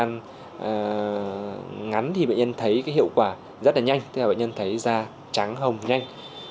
trong thời gian ngắn thì bệnh nhân thấy hiệu quả rất là nhanh tức là bệnh nhân thấy da trắng hồng nhanh